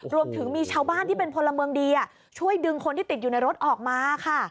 รวมถึงมีชาวบ้านที่เป็นพลเมืองดีช่วยดึงคนที่ติดอยู่ในรถออกมาค่ะ